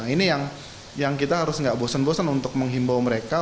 ini yang kita harus nggak bosen bosen untuk menghimbau mereka